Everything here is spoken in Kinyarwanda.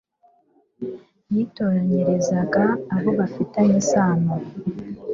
yitoranyirizaga abo bafitanye isano